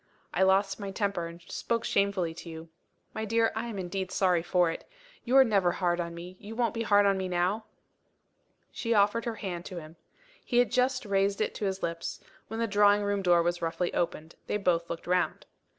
I lost my temper, and spoke shamefully to you. My dear, I am indeed sorry for it. You are never hard on me you won't be hard on me now?" She offered her hand to him. He had just raised it to his lips when the drawing room door was roughly opened. They both looked round.